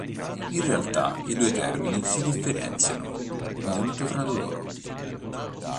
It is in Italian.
In realtà i due termini si differenziano molto tra loro.